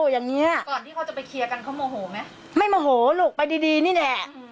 อย่างนี้ก่อนที่เขาจะไปเคลียร์กันเขาโมโหไหมไม่โมโหลูกไปดีดีนี่แหละ